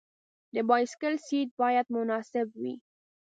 د بایسکل سیټ باید مناسب وي.